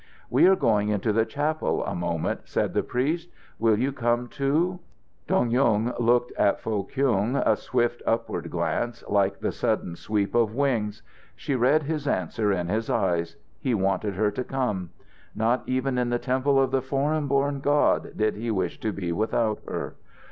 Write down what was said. "We are going into the chapel a moment," said the priest. "Will you come, too?" Dong Yung looked at Foh Kyung, a swift upward glance, like the sudden sweep of wings. She read his answer in his eyes. He wanted her to come. Not even in the temple of the foreign born God did he wish to be without her.